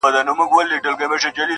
مړۍ غوړي سوې د ښار د فقیرانو.!